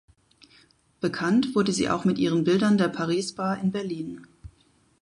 Bekannt wurde sie auch mit ihren Bildern der Paris Bar in Berlin.